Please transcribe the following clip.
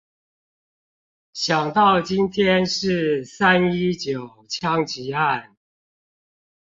想到今天是三一九槍擊案